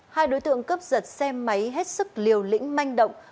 hai đối tượng cướp giật xe máy hết sức liều lĩnh manh động